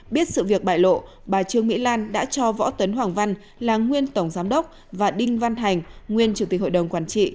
biết sự việc bại lộ bà trương mỹ lan đã cho võ tấn hoàng văn là nguyên tổng giám đốc và đinh văn hành nguyên chủ tịch hội đồng quản trị